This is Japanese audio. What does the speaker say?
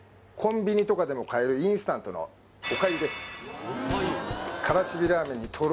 コンビニとかでも買えるインスタントのおかゆです